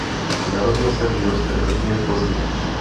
Narodil se v židovské rodině v Plzni.